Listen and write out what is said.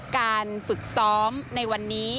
การฝึกซ้อมในวันนี้